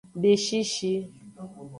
Beshishi.